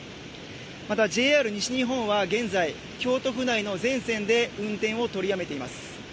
またＪＲ西日本は現在京都府内の全線で運転を取りやめています。